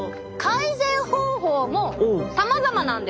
改善方法もさまざまなんです。